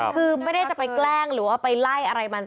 คือไม่ได้จะไปแกล้งหรือว่าไปไล่อะไรมัน